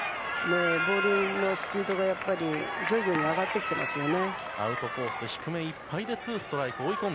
ボールのスピードが徐々に上がってきてますね。